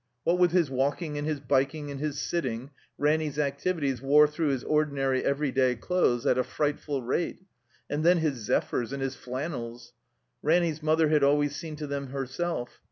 What with his walking and his '' biking," and his sitting, Ranny's activities wore through his ordinary every day clothes at a frightful rate. And then his zephyrs and his flannels! Ranny 's mother had always seen to them herself.